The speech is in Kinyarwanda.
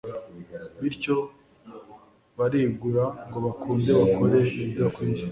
bityo barigura ngo bakunde bakore ibidakwiye